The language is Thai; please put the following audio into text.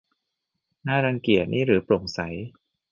น่ารังเกียจ นี่หรือโปร่งใส